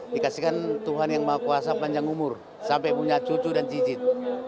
dikasihkan tuhan yang maha kuasa panjang umur sampai punya cucu dan cicit